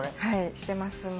はいしてます。